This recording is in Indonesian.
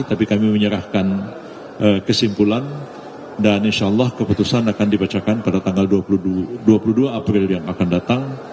tapi kami menyerahkan kesimpulan dan insya allah keputusan akan dibacakan pada tanggal dua puluh dua april yang akan datang